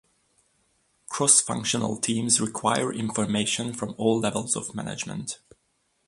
Cross-functional teams require information from all levels of management.